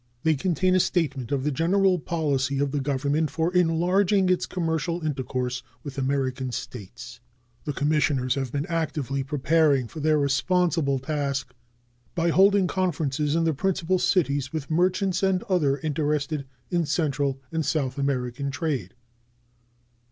They contain a statement of the general policy of the Government for enlarging its commercial intercourse with American States. The commissioners have been actively preparing for their responsible task by holding conferences in the principal cities with merchants and others interested in Central and South American trade.